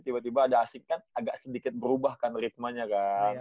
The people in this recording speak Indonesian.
tiba tiba ada asik kan agak sedikit berubah kan ritmanya kan